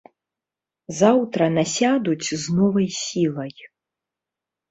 Заўтра насядуць з новай сілай.